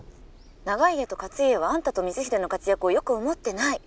「長秀と勝家はあんたと光秀の活躍をよく思ってない。